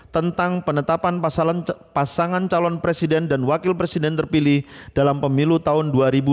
tentang penetapan pasangan calon presiden dan wakil presiden terpilih dalam pemilu tahun dua ribu dua puluh